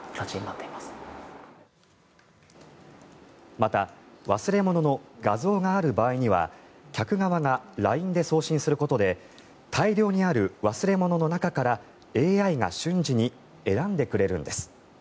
また忘れ物の画像がある場合には客側がＬＩＮＥで送信することで大量にある忘れ物の中からＡＩが瞬時に選んでくれるんです。